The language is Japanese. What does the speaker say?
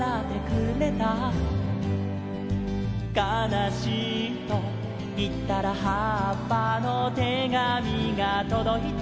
「かなしいといったらはっぱの手紙がとどいたよ」